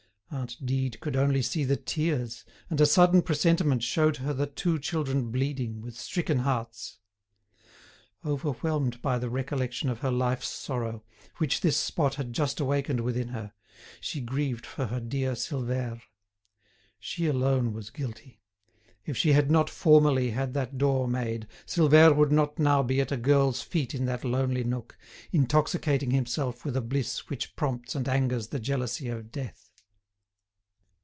Aunt Dide could only see the tears, and a sudden presentiment showed her the two children bleeding, with stricken hearts. Overwhelmed by the recollection of her life's sorrow, which this spot had just awakened within her, she grieved for her dear Silvère. She alone was guilty; if she had not formerly had that door made Silvère would not now be at a girl's feet in that lonely nook, intoxicating himself with a bliss which prompts and angers the jealousy of death.